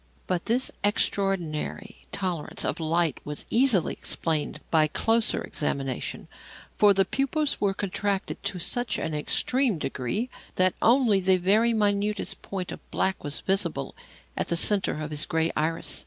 But this extraordinary tolerance of light was easily explained by closer examination; for the pupils were contracted to such an extreme degree that only the very minutest point of black was visible at the centre of the grey iris.